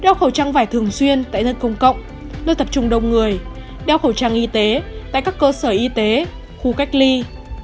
đeo khẩu trang vải thường xuyên tại nơi công cộng nơi tập trung đông người đeo khẩu trang y tế tại các cơ sở y tế khu cách ly